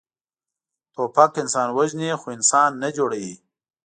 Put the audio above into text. توپک انسان وژني، خو انسان نه جوړوي.